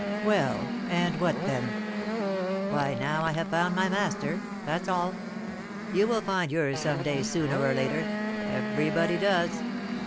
"Well, and what then?" "Why, now I have found my master, that's all; you will find yours some day sooner or later, everybody does.